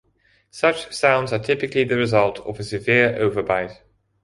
Such sounds are typically the result of a severe overbite.